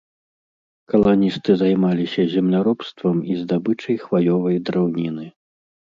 Каланісты займаліся земляробствам і здабычай хваёвай драўніны.